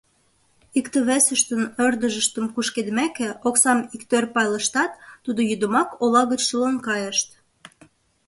Икте-весыштын ӧрдыжыштым кушкедмеке, оксам иктӧр пайлыштат, тудо йӱдымак ола гыч шылын кайышт.